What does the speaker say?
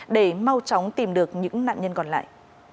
để mau chóng tìm được những nạn nhân còn lại